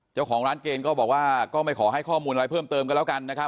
เจ้าของร้านเกณฑ์ก็บอกว่าก็ไม่ขอให้ข้อมูลอะไรเพิ่มเติมกันแล้วกันนะครับ